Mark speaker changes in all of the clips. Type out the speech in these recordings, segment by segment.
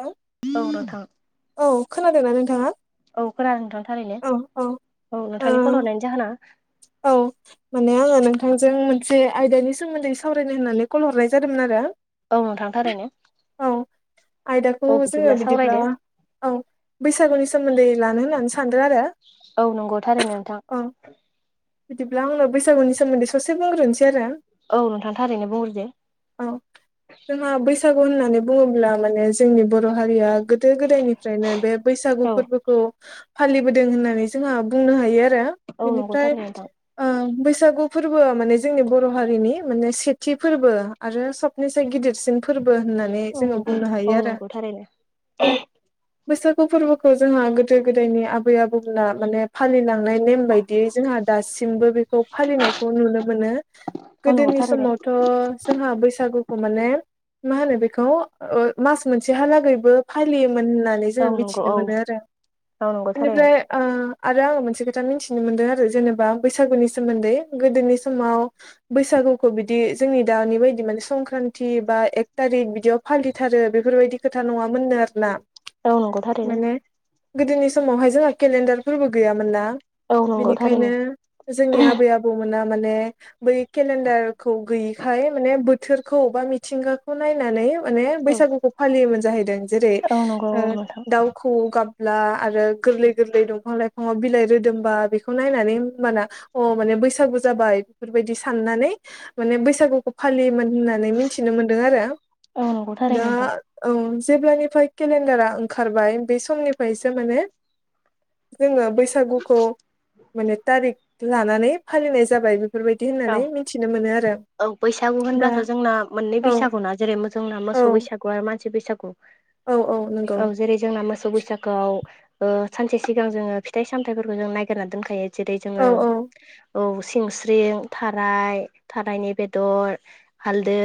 Speaker 1: हेल'
Speaker 2: औ नोंथां
Speaker 1: औ खोनादों नोंना नोंथाङा?
Speaker 2: फोर नोंथां थारैनो औ
Speaker 1: ओ
Speaker 2: नोंथांनिखौल हरनायनि जाहोना?
Speaker 1: औ माने आङो नोंथांजों मोनसे आयदानि सोमोन्दै सावरायनो होननानै कल हरनाय जादोंमोन आरो
Speaker 2: औ नोंथां थारैनो
Speaker 1: औ आयदाखौ
Speaker 2: औ
Speaker 1: जोङो बिदिब्ला
Speaker 2: सावरायदो
Speaker 1: औ बैसागुनि सोमोन्दै लानो होननानै सानदों आरो
Speaker 2: औ नंगौ थारैनो
Speaker 1: औ
Speaker 2: नोंथां।
Speaker 1: बिदिब्ला आंनो बैसागुनि सोमोन्दै ससे बुंग्रोनोसै आरो
Speaker 2: औ नोंथां थारैनो बुंहरदो
Speaker 1: औ जोंहा बैसागु होननानै बुङोब्ला माने जोंनि बर' हारिया गोदो गोदायनिफ्रायनो बे बैसागु
Speaker 2: औ
Speaker 1: फोरबोखौ फालिबोदों होननानै जोंहा बुंनो हायो आरो
Speaker 2: औ नंगौ
Speaker 1: बिनिफ्राय
Speaker 2: थारैनो नोंथां
Speaker 1: बैसागु फोरबोआ माने जोंनि बर' हारिनि माने सेथि फोरबो आरो सबनिसाय गिदिरसिन फोरबो बो होननानै
Speaker 2: औ
Speaker 1: जोङो
Speaker 2: नंगौ
Speaker 1: बुंनो
Speaker 2: औ
Speaker 1: हायो ।
Speaker 2: नंगौ थारैनो
Speaker 1: आरो बैसागु फोरबोखौ जोंहा गोदो गोदायनि आबै आबौमोनना माने फालिलांनाय नेम बायदियै जोंहा दासिमबो बेखौ फालिनायखौ नुनो मोनो।
Speaker 2: औ नंगौ
Speaker 1: गोदोनि
Speaker 2: थारैनो
Speaker 1: समावथ' जोंहा बैसागुखौ माने मा होनो बेखौ मास मोनसेहालागैबो फालियो। होननानै
Speaker 2: औ
Speaker 1: जोङो
Speaker 2: नंगौ
Speaker 1: मिथिनो
Speaker 2: औ
Speaker 1: मोनो आरो
Speaker 2: औ नंगौ थारैनो
Speaker 1: बेनिफ्राय आरो आङो मोनसे खोथा मिथिनो मोनदों आरो जेनेबा बैसागुनि सोमोन्दै गोदोनि समाव बैसागुखौ बिदि जोंनि दानि बायदि मान संक्रान्ति बा एक थारिक बिदियाव फालिथारो बेफोरबायदि खोथा नङामोननो आरोना
Speaker 2: औ नंगौ थारनो
Speaker 1: माने गोदोनि समावहाय जोंहा केलेन्डार फोरबो गैयामोन ना
Speaker 2: औ
Speaker 1: बिनिखायनो
Speaker 2: नंगौथारैनो
Speaker 1: जोंनि आबै आबौमोन माने बै केलेडारखौ गैयैखाय माने बोथोरखौ बा मिथिंगाखौ नायनानै माने बैसागुखौ फालियोमोन जाहैदों जेरै
Speaker 2: औ नंगौ औ नोंथां
Speaker 1: दाउखौ गाब ला आरो गोरलै गोरलै दंफां लाइफाङाव बिलाइ रोदोमबा बेखौ नायनानै होमबाना अ माने बैसागु जाबाय बेफोरबायदि साननानै माने बैसागुखौ फालियोमोन होननानै मिथिनो मोनदों आरो
Speaker 2: औ नंगौ थारैनो
Speaker 1: दा
Speaker 2: नोंथां
Speaker 1: औ जेब्लानिफ्राय केलेन्डारा ओंखारबाय बे समनिफ्रायसो माने जोङो बैसागुखौ माने तारिख लानानै फालिनाय जाबाय। बेफोरबायदि
Speaker 2: औ
Speaker 1: होननानै मिथिनो मोनो आरो
Speaker 2: औ बैसागु
Speaker 1: दा
Speaker 2: होनब्लाथ' जोंना मोननै
Speaker 1: औ
Speaker 2: बैसागुना जेरै जोंना
Speaker 1: औ
Speaker 2: मोसौ बैसागु आरो मानसि बैसागु
Speaker 1: औ नंगौ
Speaker 2: औ जेरै जोंना मोसौ बैसागुआव ओ सानसे सिगां जोङो फिथाइ सामथाइफोरखौ जों नायगिरना दोनखायो जेरै
Speaker 1: औ
Speaker 2: जोङो
Speaker 1: औ
Speaker 2: औ सिंस्रिं थाराय थारायनि बेदर हालदै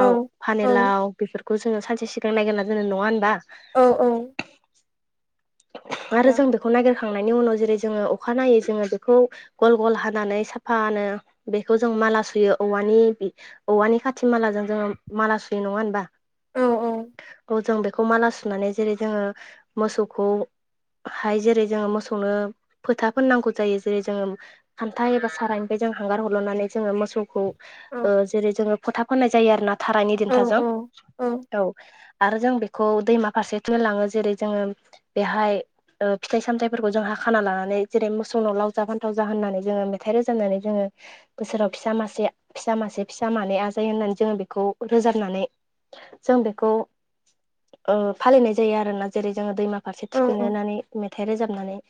Speaker 1: औ औ
Speaker 2: फानलाव बेफोरखौ जोङो सानसे सिगां नायगोनना जोो नङा होनबा
Speaker 1: औ औ
Speaker 2: आरो
Speaker 1: दा
Speaker 2: जों बेखौ नागिर थांनायनि उनाव जेरै जोङो अखा नायै जोङो बेखौ गल गल हानानै साफानो बेखौ जों माला सुयो औवानि औवानि खाथि मालाजों जोङो माला सुयो नङा होनबा
Speaker 1: औ औ
Speaker 2: औ जों बेखौ माला सुनानै जेरै जोङो मोसौखौ हाय जेरै जोङो मोसौनो फोथाफोरनांगौ जायो जेरै जोङो खान्था एबा सारानिफ्राय जों हांगार हरल'नानै जोङो मोसौखौ
Speaker 1: औ
Speaker 2: जेरै जोङो फोथा फाननाय जायो आरो ना थारायनि
Speaker 1: औ
Speaker 2: दिन्थाजों औ आरो जों बेखौ दैमा फारसे थलाङो जेरै जोङो बेहाय ओ फिथाइ सामथाइफोरखौ जोंहाा खाना लानानै जेरै मोसौनाव लाव जाा फान्थाव जा होननानै जोङो मेथाइ रोजाबनानै जोङो बोसोराव फिसा मासे फिसा मासे फिसा मानै आजायो होननानै जोङो बेखौ रोजाबनानै जों बेखौ ओ फालिनाय जायो आरोना जेरै जोङो दैमा फारसे
Speaker 1: औ
Speaker 2: थुखैनानै मेथाइ रोजाबनानै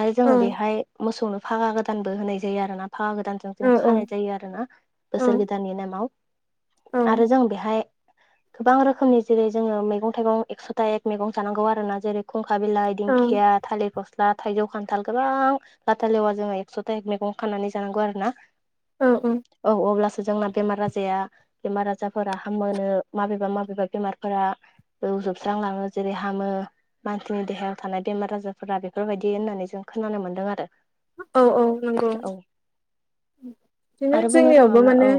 Speaker 2: आरो जोङो बेहाय मोसौनो फागा गोदानबो होनाय जायो आरो ना। फागा गोदानजों जों खानाय जायो आरो ना बोसोर गोदाननि नामाव आरो जों बेहाय गोबां रोखोमनि जेरै जोङो मैगं थाइगं एकस'था एक मैगं जानांगौ आरो ना जेरै फुंखा बिलाइ दिंखिया
Speaker 1: औ
Speaker 2: थालिर फस्ला थाइजौ खान थाल गोबां लाथा लेवा जोङो एकस' थक मैगं खानानै जानांगौ आरो ना।
Speaker 1: औ
Speaker 2: औ अब्ला सो जोंना बेमार आजाया बेमार आजारफोरा हामो माबेबा माबेबा बेमारफोरा फजोबस्रांलाङो जेरै हामो। मानसिनि देहायाव थानाय बेमार आजारफोरा बेफोरबायदि होननानै जों खोनानो मोन्दों आरो।
Speaker 1: औ औ नंगौ।
Speaker 2: औ
Speaker 1: बिदिनो
Speaker 2: आरो बुंनो
Speaker 1: जोंनियावबो
Speaker 2: थाङोब्ला
Speaker 1: माने
Speaker 2: औ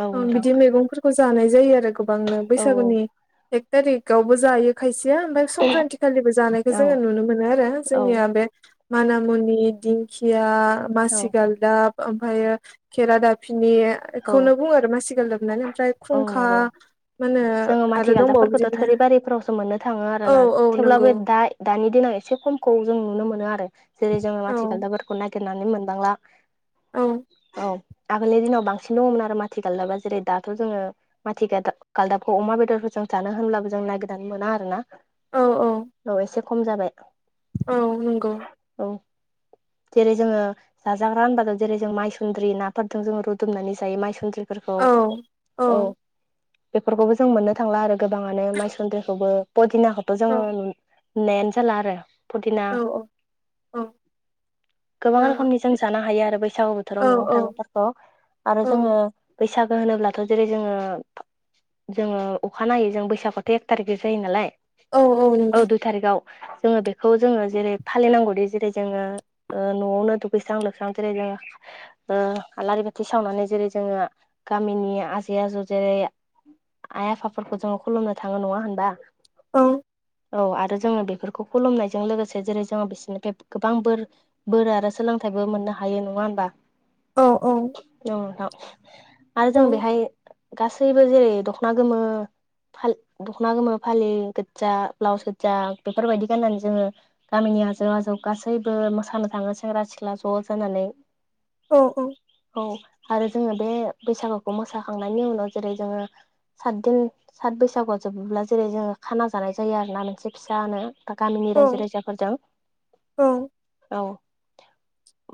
Speaker 2: औ नोंथां
Speaker 1: बिदि औ मैगंफोरखौ जानाय जायो आरो। गोबांनो
Speaker 2: औ
Speaker 1: बैसागुनि एक थारिकावबो जायो खायसे यो ओमफ्राय संक्रान्ति खालिबो जानायखौ
Speaker 2: औ
Speaker 1: जोङो नुनो मोनो आरो
Speaker 2: औ
Speaker 1: जोंनिया बे मानामुनि दिंखिया
Speaker 2: औ
Speaker 1: मासिगालदाब ओमफायायो खेरादा बिनि
Speaker 2: औ
Speaker 1: बेखौनो बुङो आरो मासि गाल्लाब होनानै ओमफ्राय
Speaker 2: औ
Speaker 1: खुंखा
Speaker 2: नंगौ
Speaker 1: मा होनो आरो दंबावो
Speaker 2: थ'
Speaker 1: बिदिनो
Speaker 2: थोरि बारिफोरावसो मोननो थाङो
Speaker 1: औ
Speaker 2: आरोना
Speaker 1: औ नंगौ
Speaker 2: थेवब्लाबो दा-दानि दिनाव एसे खमखौ जों नुनो मोनो आरो जेरै जोङो
Speaker 1: औ
Speaker 2: मथि गालदाफोरखौ नागिरनानै मोनबांला।
Speaker 1: औ
Speaker 2: आगोले दिनाव बां सिन दङमोन आरो माथि गालदाबा जेरै दाथ' जोङो माथि गादाब गालदाबखौ अमा बेदरफोर जों जानो होनब्लाबो जों नागिरदनानै मोना आरोना। औ एसे खम जाबाय।
Speaker 1: औ नंगौ।
Speaker 2: औ जेरै जोङो जाजाग्रा होनबा जों जेरै जों मायसुन्द्रि नाफोरदोजों रुदुमनानै जायो माइसुन्द्रि फोरखौ,
Speaker 1: औ
Speaker 2: औ बेफोरखौबो जों मोननो थांला आरो गोबाङानो माइसुन्द्रिखौबो पदिनाखौथ' जोङो
Speaker 1: औ
Speaker 2: नु-नुनायानो जाला आरो। फुदिना
Speaker 1: औ औ
Speaker 2: गोबां रोखोमनि जों जानो हायो आरो बैसागु बोथोराव
Speaker 1: औ
Speaker 2: मैगं थाइगंफोरखौ आरो
Speaker 1: औ
Speaker 2: जोङो बैसागो होनोब्लाथ' जेरै जोङो जोङो अखाानायनायै जों बैसागुथ' एक थारिख जायो नालाय।
Speaker 1: औ
Speaker 2: [inaudible]
Speaker 1: नंगौ
Speaker 2: औ दुइ थारिखाव जोङो बेखौ जोङो जेरै फालिनांगौदि जेरै जोङो ओ न'आवनो दुगैस्रां लोबस्रां जेरै जोङो ओ आलारि बाथि सावनानै जेरै जोङो गामिनि आजै आजौ जेरै आइ आफाफोरखौ जोंङो खुलुमनो थाङो नङा होनबा?
Speaker 1: औ
Speaker 2: औ आरो जोङो बेफोरखौ खुलुमनायजों लोगोसे जेरै जोङो बिसोरनिफ्राय गोबां बोर बोरा आरो सोलोंथाइबो मोननो हायो नङा होमबा?
Speaker 1: औ औ
Speaker 2: आरो
Speaker 1: औ
Speaker 2: जों बेहाय गासैबो जेरै दखना गोमो फा- दखना गोमो फालि गोजा ब्लाउस गोजा बेफोरबायदि गाननानै जोंङो गामिनि आजौ आजौ गासैबो मोसानो थाङो सेंग्रा सिख्ला ज' जानानै
Speaker 1: औ औ
Speaker 2: औ आरो जोङो बे बैसागुखौ मोसाखांनायनि उनाव जेरै जोङो सातदिन सात बैसागुआव जोबोब्ला जेरै जोङो खाना जानाय जायो आरो ना मोनसे फिसानो। दा गामिनि
Speaker 1: औ
Speaker 2: रायजो राजाफोरजों
Speaker 1: औ
Speaker 2: [inaudible] औ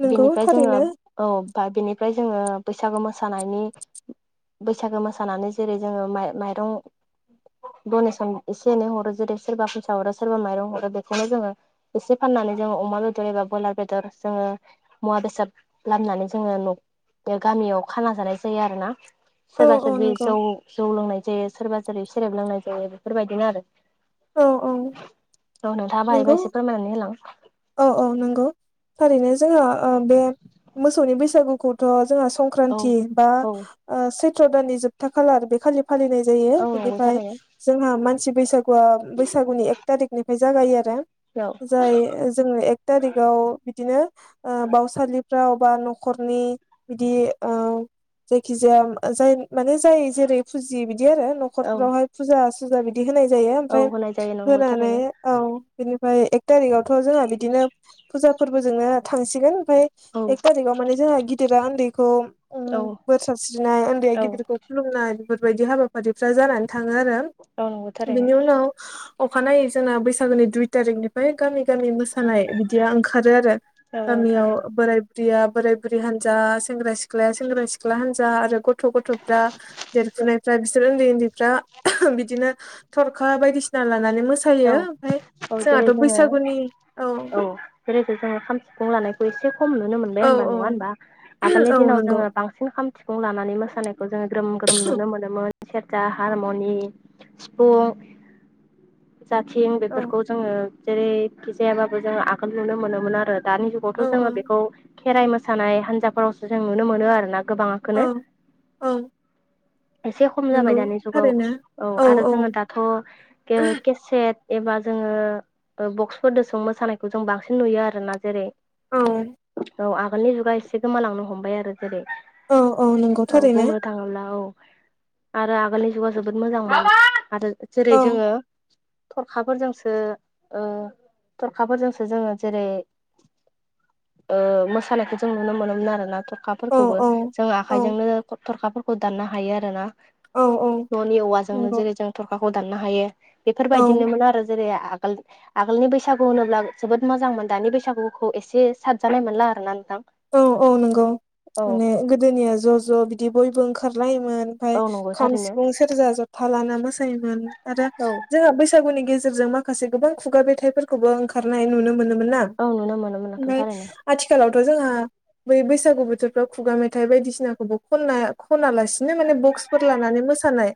Speaker 1: नंगौ
Speaker 2: बेनिफ्राय जोङो
Speaker 1: थारैनो
Speaker 2: औ बा बेनिफ्राय जोंङो बैसागो मोसानायनि बैसागो मोसानानै जेरै जोंङो माय माइरं डनेसन एसे एनै हरो जेरै सोरबा फैसा हरो सोरबा माइरं हरो बेखौनो जोंङो एसे फाननानै नानै अमा बेदर एबा ब्रयलार बेदर जोंङो मुवा बेसाद लामनानै जोंङो न बे गामियाव खाना जानाय जायो आरो ना
Speaker 1: औ
Speaker 2: सोरबा
Speaker 1: औ
Speaker 2: सोरबि
Speaker 1: नंगौ
Speaker 2: जौ जौ लोंनाय जायो सोरबा सोरै सेरेब लोंनाय जायो बेफोरबायदिनो आरो
Speaker 1: औ औ
Speaker 2: औ नोंथाङा
Speaker 1: नंगौ
Speaker 2: बाहायबा एसे फोरमायनानै होलां
Speaker 1: औ औ नंगौ थारैनो जोंहा बे मोसौनि बैसागुखौथ जोंहा
Speaker 2: औ
Speaker 1: संक्रान्ति बा
Speaker 2: औ
Speaker 1: सैत्र दाननि जोबथा खालार बे खालि फालिनाय जायो
Speaker 2: औ नंगौ
Speaker 1: बेनिफ्राय
Speaker 2: थारैनो
Speaker 1: जोंहा मानसि बैसागुआ बैसागुनि एक थारिखनिफ्राय जागायो आरो
Speaker 2: औ
Speaker 1: जाय एक टारिकआव बिदिनो ओ बावसालि फ्रावबा नखरनि बिदि ओ जायखिजाया जाय माने जाय जेरै फुजि बिदि आरो
Speaker 2: औ
Speaker 1: नखरफोरावहाय फुजा सुजा बिदि बिदि होनाय जायो
Speaker 2: औ
Speaker 1: ओमफ्राय
Speaker 2: होनाय जायो नंगौ
Speaker 1: होनानै
Speaker 2: थारैनो
Speaker 1: औ बिनिफ्राय एक थारिकावथ जों बिदिनो फुजा फोरबोजोंनो थांसिगोन ओमफ्राय
Speaker 2: औ
Speaker 1: एक थारिकाव माने जोंहा गिदिरा उन्दैखौ
Speaker 2: औ
Speaker 1: बोर सास्रिनाय उन्दैया
Speaker 2: औ
Speaker 1: गिदिरखौ खुलुमनाय बेफोरबायदि हाबाफारिफ्रा जानानै थाङो आरो
Speaker 2: औ नंगौ थारैनो
Speaker 1: बेनि उनाव अखानायै जोंना बैसागोनि दुइ तारिखनिफ्राय गामि गामि थानायानाय बिदिया ओंखारो आरो
Speaker 2: औ औ
Speaker 1: गामियाव
Speaker 2: थारैनो
Speaker 1: बोराय या बोराय बुरै हानजा सेंग्रा सिख्लाया सेंग्रा सिख्ला हानजा आरो गथ गथ गथफ्रा देरखुनायफ्रा बिसोर उन्दै उन्दैफ्रा बिदिनो थरखा बायदिसिना लानानै मोसायो
Speaker 2: औ
Speaker 1: ओमफफ्राय
Speaker 2: औ जेरै
Speaker 1: जोंहाथ
Speaker 2: जोङो
Speaker 1: बैसागुनि
Speaker 2: औ जेरैखि जोंङो खाम सिफुं लानायखौ एसे खम नुनो मोनबाय
Speaker 1: औ
Speaker 2: होनबा
Speaker 1: औ
Speaker 2: नङा होनबा आगोलनि
Speaker 1: औ
Speaker 2: दिनाव
Speaker 1: नंगौ
Speaker 2: जोंङो बांसिन खाम सिफुं लानानै मोसानायखौ जोंङो ग्रोम ग्रोम नुनो मोनोमोन सेरजा
Speaker 1: औ
Speaker 2: हारमनि सिफुं जाथिं
Speaker 1: औ
Speaker 2: बेफोरखौ जोंङो जेरैखि जायाबाबो जोंङो आगोल नुनो मोनोमोन आरो दानि जुगावथ
Speaker 1: औ
Speaker 2: जोंङो बेखौ खेराइ मोसानाय हान्जाफोरावसो जों नुनो मोनो आरो ना
Speaker 1: औ
Speaker 2: गोबांखौनो
Speaker 1: औ
Speaker 2: एसे खम जाबाय
Speaker 1: नंगौ
Speaker 2: दानि जुगाव
Speaker 1: थारैनो
Speaker 2: औ आरो जोंङो दाथ केसेट एबा जोंङो बक्सफोरजों मोसानायखौ जों बांसिन नुयो आरोना जेरै
Speaker 1: औ
Speaker 2: औ आगोलनि जुगा एसे गोमालांनो हमबाय आरो जेरै
Speaker 1: औ औ नंगौ
Speaker 2: औ
Speaker 1: थारैनो
Speaker 2: बुंनो थाङोब्ला औ आरो आगोलनि जुगा जोबोद मोजां मोनो आरो जेरै
Speaker 1: औ
Speaker 2: जोंङो थरखाफोरजोंसो ओ थरखाफोरजोंसो जोंङो जेरै ओ मोसानायखौ जों नुनो मोनोमोन आरोनाथ
Speaker 1: औ
Speaker 2: थरखाफोरखौबो
Speaker 1: औ
Speaker 2: जों
Speaker 1: औ
Speaker 2: आखाइजोंनो थरखाफोरखौ दाननो हायो आरो ना
Speaker 1: औ औ
Speaker 2: न'नि औवाजोंनो
Speaker 1: नंगौ
Speaker 2: जेरै जों थरखाखौ दाननो हायो बेफोर
Speaker 1: औ
Speaker 2: बायदिनोमोन आरो जेरै आ आगोल आगोलनि बैसागु होनोब्ला जोबोद मोजांमोन दानि बैसागुखौ एसे साबजानाय मोनला आरो ना
Speaker 1: औ औ नंगौ माने गोदोनिया ज' ज' बिदि बयबो ओंखारलायो मोन ओमफ्राय
Speaker 2: औ नंगौ
Speaker 1: खाम
Speaker 2: थारैनो
Speaker 1: सिफुं सेरजा जथा लाना मोसायोमोन आरो
Speaker 2: औ
Speaker 1: जोंहा बैसागुनि गेज गेजेरजों माखासे गोबां खुगा मेथाइफोरखौबो ओंखारनाय नुनो मोनो मोनना
Speaker 2: औ नुनो मोनोमोन नोंथां थारैनो
Speaker 1: आथिखालाव जोंहा बै बैसागु बोथोरफ्राव खुगा मेथाइ बायदिसिनाखौबो खना खनालासि बिदिनो माने बक्सफोर लानानै मोसानाय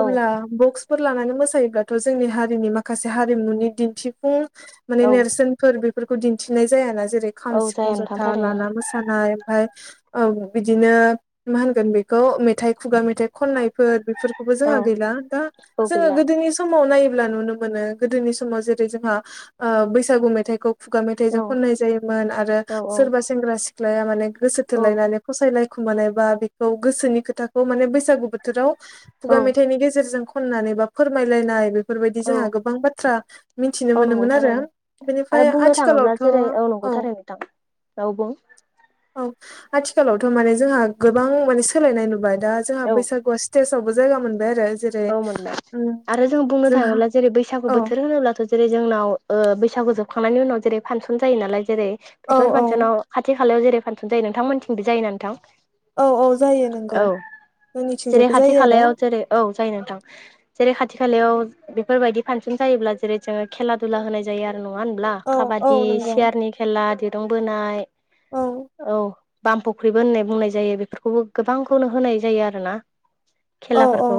Speaker 2: औ
Speaker 1: अब्ला बक्स फोर लानानै मोसायोब्लाथ' जोंनि हारिनि माखासे हारिमुनि दिन्थिफुं माने
Speaker 2: औ
Speaker 1: नेरसोनफोर बेफोरखौ दिन्थिनाय जायाना जेरै खाम
Speaker 2: औ
Speaker 1: सिफुं
Speaker 2: जाया नोंथां
Speaker 1: जथा
Speaker 2: थारैनो
Speaker 1: लाना मोसानाय ओमफाय ओ बिदिनो मा होनगोन बेखौ मेथाइ खुगा मेथाइ खननायफोर बेफोरखौबो
Speaker 2: औ
Speaker 1: जोंहा गैला दा
Speaker 2: औ
Speaker 1: जोङो
Speaker 2: गैला
Speaker 1: गोदोनि समाव नायो [unintelligible] नुनो मोनो गोदोनि समाव जेरै जोंहा ओ बैसागु मेथाइखौ खुगा
Speaker 2: औ
Speaker 1: मेथाइजों खननाय जायोमोन आरो
Speaker 2: औ
Speaker 1: सोरबा सेंग्रा सिख्लाया माने गोसो
Speaker 2: औ
Speaker 1: थोलायनानै फसायलाय खोमानाय बा बेखौ गोसोनि खोथाखौ माने बैसागु बोथोराव
Speaker 2: औ
Speaker 1: खुगा मेथाइनि गेजेरजों खननानै बा फोरमायलायनाय बेफोरबायदि जोंहा
Speaker 2: औ
Speaker 1: गोबां बाथ्रा मिथिनो
Speaker 2: औ नंगौ
Speaker 1: मोनोमोन आरो
Speaker 2: थारैनो आरो
Speaker 1: बेनिफ्राय
Speaker 2: बुंनो थाङोब्ला जेरै
Speaker 1: आथिखालावथ'
Speaker 2: [unintelligible]
Speaker 1: औ
Speaker 2: नोंथां औ बुं
Speaker 1: औ आथिखालावथ' माने जोंहा गोबां माने सोलायनाय नुबाय दा जोंहा
Speaker 2: औ
Speaker 1: बैसागुआ स्टेज फ्रावबो जायगा मोनबाय आरो। जेरै
Speaker 2: औ मोनबाय
Speaker 1: उम
Speaker 2: आरो जों बुंनो
Speaker 1: जोंहा
Speaker 2: थाङोब्ला जेरै बैसागु
Speaker 1: औ
Speaker 2: बोथोर होनोब्लाथ' जेरै जोंनाव ओ बैसागु जोबखांनायनि उनाव जेरै फांसन जायो नालाय जेरै
Speaker 1: औ
Speaker 2: बेफोर
Speaker 1: औ
Speaker 2: फांसनाव खाथि खालायाव जेरै फांसन जायो नोंथां मोननिथिंबो जायो ना नोंथां?
Speaker 1: औ औ जायो नोंगौ
Speaker 2: औ जेरै
Speaker 1: जोंनिथिंजायबो
Speaker 2: खाथि
Speaker 1: जायो आरो
Speaker 2: खालायाव जेरै औ। जायो नोंथां जेरै खाथि खालायाव बेफोरबायदि फांसन जायोब्ला जेरै जोङो खेला दुला होनाय जायो आरो। नङा होनब्ला
Speaker 1: औ औ
Speaker 2: काबादि
Speaker 1: नंगौ
Speaker 2: सियारनि खेला दिरुं बोनाय
Speaker 1: औ
Speaker 2: औ। बाम फुख्रिबो होननाय बुंनाय जायो बेफोरखौबो गोबांखौनो होनाय जायो आरोना।
Speaker 1: औ औ
Speaker 2: खेलाफोरखौ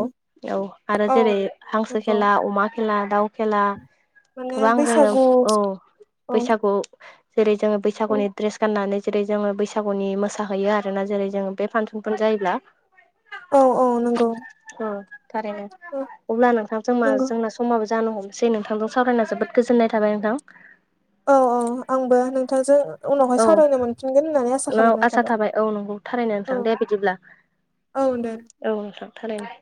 Speaker 2: औ आरो
Speaker 1: औ
Speaker 2: जेरै हांसो
Speaker 1: नंगौ
Speaker 2: खेला अमा खेला दाउ खेला
Speaker 1: माने
Speaker 2: गोबां जोङो
Speaker 1: बैसागु
Speaker 2: औ
Speaker 1: औ
Speaker 2: बैसागु जेरै जोङो
Speaker 1: औ
Speaker 2: बैसागुनि ड्रेस गाननानै जेरै जोङो बैसागुनि मोसाहैयो आरोना जेरै जोङो बे फांसनफोर जायोब्ला
Speaker 1: औ औ नंगौ।
Speaker 2: औ थारैनो अब्ला नोंथां जोंना
Speaker 1: नंगौ
Speaker 2: जोंना समाबो जानो हमनोसै नोंथांजों सावरायना जोबोद गोजोननाय थाबाय नोंथां।
Speaker 1: औ औ आंबो नोंथांजों उनावहाय
Speaker 2: औ
Speaker 1: सावरायनो मोनफिनगोन होननानै आसा खालामनाय थाबाय।
Speaker 2: औ नंगौ थारैनो
Speaker 1: औ
Speaker 2: नोंथां दे बिदिब्ला
Speaker 1: औ दे
Speaker 2: औ नोंथां थारैनो।